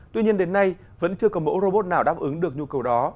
tuy nhiên đến nay vẫn chưa có mẫu robot nào đáp ứng được nhu cầu đó